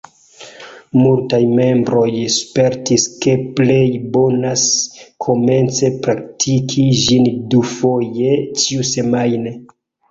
Multaj membroj spertis ke plej bonas komence praktiki ĝin dufoje ĉiusemajne.